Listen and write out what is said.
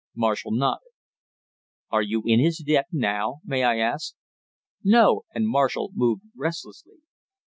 Marshall nodded. "Are you in his debt now, may I ask?" "No," and Marshall moved restlessly.